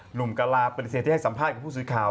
หนุ่มกะลาปฏิเสธที่ให้สัมภาษณ์กับผู้สื่อข่าว